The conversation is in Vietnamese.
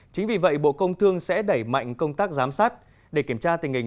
chính vì vậy bộ công thương sẽ đẩy mạnh công tác giám sát để kiểm tra tình hình